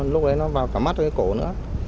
lúc đấy nó vào cả mắt và cái cổ nữa